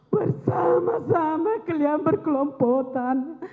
bersama sama kalian berkelompotan